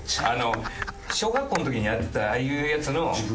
小学校の時にやってたああいうやつの。